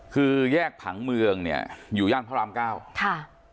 คือแยกผังเมืองเนี่ยอยู่ย่านพระรามเก้าค่ะ